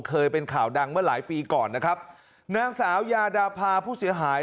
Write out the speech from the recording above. เคยเป็นข่าวดังเมื่อหลายปีก่อนนะครับนางสาวยาดาพาผู้เสียหาย